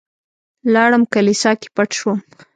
لاړم کليسا کې پټ شوم.